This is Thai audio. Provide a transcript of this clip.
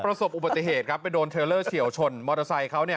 ประสบอุบัติเหตุครับไปโดนเทลเลอร์เฉียวชนมอเตอร์ไซค์เขาเนี่ย